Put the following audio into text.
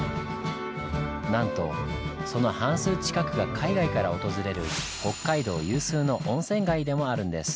なんとその半数近くが海外から訪れる北海道有数の温泉街でもあるんです！